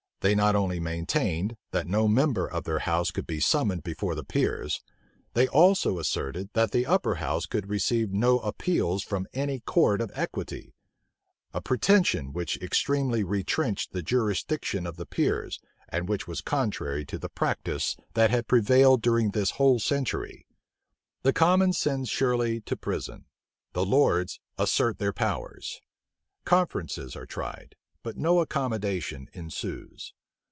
They not only maintained, that no member of their house could be summoned before the peers; they also asserted, that the upper house could receive no appeals from any court of equity; a pretension which extremely retrenched the jurisdiction of the peers, and which was contrary to the practice that had prevailed during this whole century. The commons send Shirley to prison; the lords assert their powers. Conferences are tried; but no accommodation ensues.